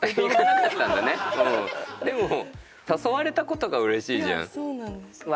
でも誘われた事がうれしいじゃん。